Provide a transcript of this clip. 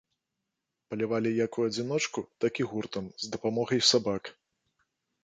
Палявалі як у адзіночку, так і гуртам, з дапамогай сабак.